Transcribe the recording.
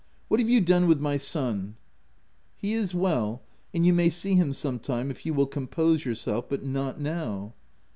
What have you done with my son?" " He is well, and you may see him some time, if you will compose yourself, but not now.